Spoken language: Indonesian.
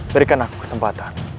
berikan aku kesempatan